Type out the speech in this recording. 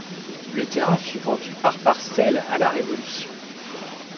Le terrain fut vendu par parcelles à la Révolution.